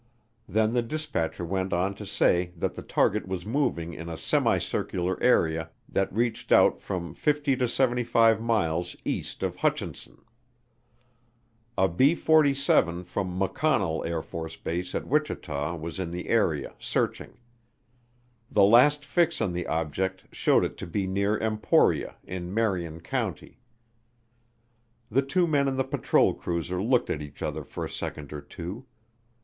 Then the dispatcher went on to say that the target was moving in a semi circular area that reached out from 50 to 75 miles east of Hutchinson. A B 47 from McConnell AFB at Wichita was in the area, searching. The last fix on the object showed it to be near Emporia, in Marion County. The two men in the patrol cruiser looked at each other for a second or two.